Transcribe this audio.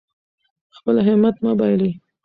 خپل همت مه بایلئ.